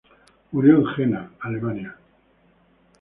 Murió en Jena, Alemania.